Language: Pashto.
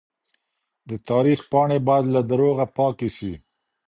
د تاريخ پاڼې بايد له دروغه پاکې سي.